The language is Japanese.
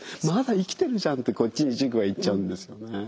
まだ生きてるじゃんってこっちに軸はいっちゃうんですよね。